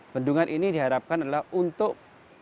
bendungan ini diharapkan adalah untuk